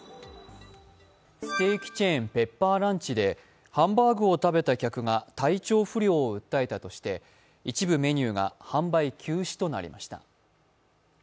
ステーキチェーン・ペッパーランチでハンバーグを食べた客が体調不良を訴えたとして、一部メニューが販売休止となりました。